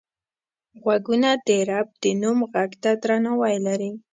غوږونه د رب د نوم غږ ته درناوی لري